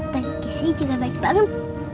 dan keesnya juga baik banget